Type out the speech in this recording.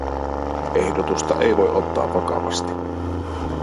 Ehdotusta ei voi ottaa vakavasti.